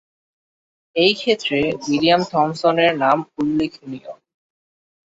এই ক্ষেত্রে উইলিয়াম থমসনের নাম উল্লেখনীয়।